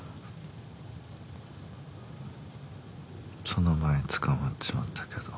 その前に捕まっちまったけど。